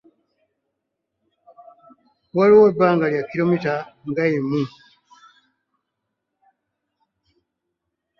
Waliwo ebbanga lya kiromiita nga emu.